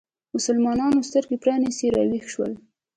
مسلمانانو سترګې پرانیستې راویښ شول